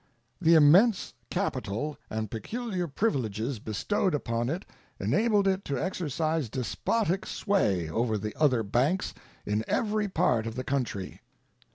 The immense capital and peculiar privileges bestowed upon it enabled it to exercise despotic sway over the other banks in every part of the country.